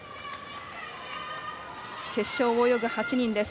決勝を泳ぐ８人です。